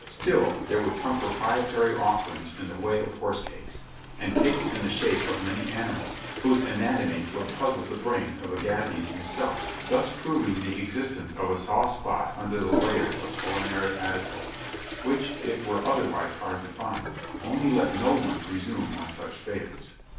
Still there would come propitiatory offerings in the way of horse cakes, and cakes in the shape of many animals v/hose anatomy would puzzle the brain of Agassiz himself, thus proving Il6 JOHNNY REB AND BIIvLY YANK the existence of a soft spot under the layers of cuHnary adipose, which it were otherwise hard to find ; only let no one presume on such favors.